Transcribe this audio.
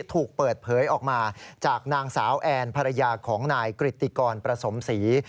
ถูกเปิดเผยออกมาจากนางสาวแอนภรรยาของนายกริติกรประสมศรี